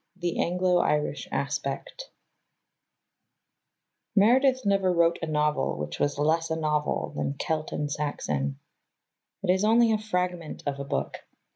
(3) THE ANGLO IRISH ASPECT Meredith never wrote a novel which was less a novel than Celt and Saxon. It is only a fragment of a book.